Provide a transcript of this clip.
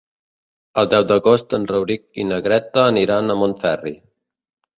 El deu d'agost en Rauric i na Greta aniran a Montferri.